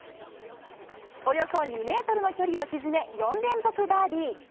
およそ２メートルの距離を沈め、４連続バーディー。